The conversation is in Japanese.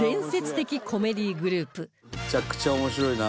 「めちゃくちゃ面白いな」